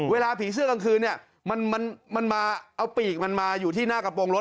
เวลาผีเสื้อกลางคืนเนี่ยมันมาเอาปีกมันมาอยู่ที่หน้ากระโปรงรถ